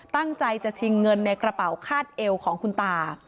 ตั้งใจจะชิงเงินในกระเป๋าคาดเอวของคุณตา